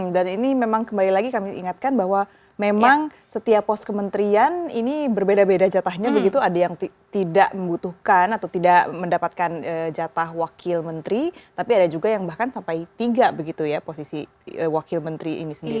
dan ini memang kembali lagi kami ingatkan bahwa memang setiap pos kementerian ini berbeda beda jatahnya begitu ada yang tidak membutuhkan atau tidak mendapatkan jatah wakil menteri tapi ada juga yang bahkan sampai tiga begitu ya posisi wakil menteri ini sendiri